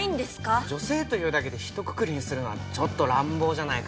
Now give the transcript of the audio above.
女性というだけでひとくくりにするのはちょっと乱暴じゃないかな。